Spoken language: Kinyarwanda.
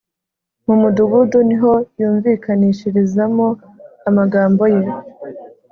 mu mudugudu ni ho yumvikanishirizamo amagambo ye :